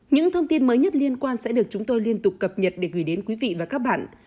những thông tin mới nhất liên quan sẽ được chúng tôi liên tục cập nhật để gửi đến quý vị và các bạn